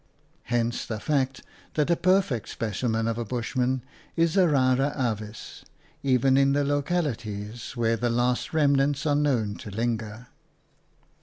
Hence the fact that a perfect specimen of a Bushman is a rara avis, even PLACE AND PEOPLE 7 in the localities where the last remnants are known to linger.